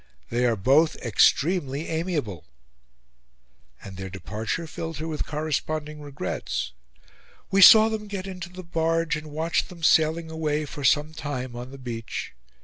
They are both extremely AMIABLE." And their departure filled her with corresponding regrets. "We saw them get into the barge, and watched them sailing away for some time on the beach.